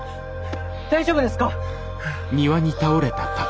大丈夫ですか？